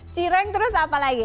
cireng terus apa lagi